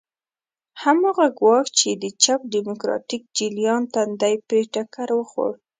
هماغه ګواښ چې د چپ ډیموکراتیک جریان تندی پرې ټکر وخوړ.